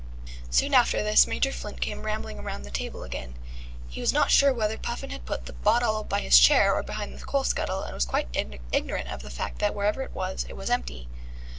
Soon after this Major Flint came rambling round the table again. He was not sure whether Puffin had put the bottle by his chair or behind the coal scuttle, and was quite ignorant of the fact that wherever it was, it was empty.